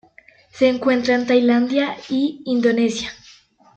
Se encuentra en Tailandia y Indonesia.